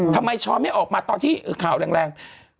ทำไมชอนไม่ออกมาตอนที่ข่าวแรง